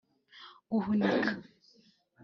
guhunika